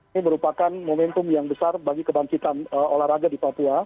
ini merupakan momentum yang besar bagi kebangkitan olahraga di papua